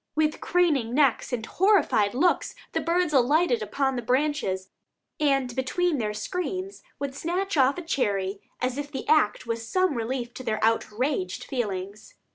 With craning necks and horrified looks the birds alighted upon the branches, and between their screams would snatch off a cherry, as if the act was some relief to their outraged feelings.